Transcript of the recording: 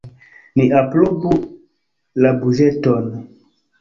Ni aprobu la buĝeton.